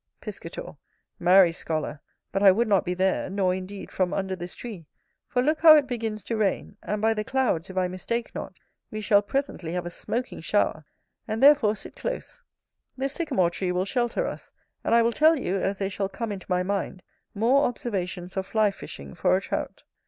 Piscator. Marry, scholar, but I would not be there, nor indeed from under this tree; for look how it begins to rain, and by the clouds, if I mistake not, we shall presently have a smoking shower, and therefore sit close; this sycamore tree will shelter us: and I will tell you, as they shall come into my mind, more observations of fly fishing for a Trout.